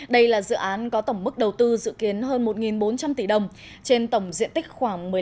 đây là dự án có tổng mức đầu tư dự kiến hơn một bốn trăm linh tỷ đồng trên tổng diện tích khoảng một mươi năm